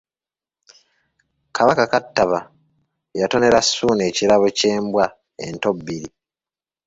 Kabaka Kattaba yatonera Ssuuna ekirabo ky’embwa ento bbiri.